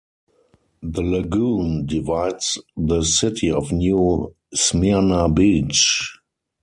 The Lagoon divides the city of New Smyrna Beach.